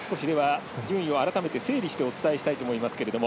順位を改めて整理してお伝えしたいと思いますけれども。